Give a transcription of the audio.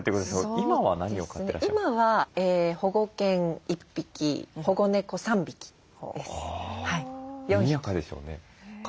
今は保護犬１匹保護猫３匹です。